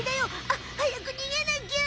あっはやく逃げなきゃ！